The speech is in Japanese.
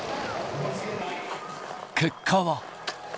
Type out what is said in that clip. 結果は。